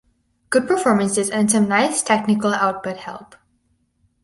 Good performances and some nice technical output help.